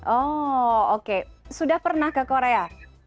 oh oke sudah pernah ke korea